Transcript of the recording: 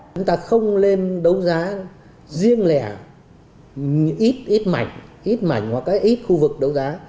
chúng ta không lên đấu giá riêng lẻ ít ít mảnh ít mảnh hoặc ít khu vực đấu giá